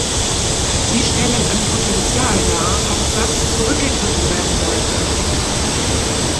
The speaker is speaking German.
Sie stellen ein Potential dar, auf das zurückgegriffen werden sollte.